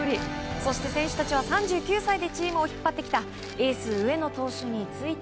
そして、選手たちは３９歳でチームを引っ張ってきたエース、上野投手について。